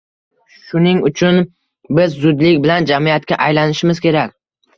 Shuning uchun biz zudlik bilan jamiyatga aylanishimiz kerak.